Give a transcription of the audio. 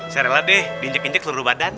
serela deh nginjek njek seluruh badan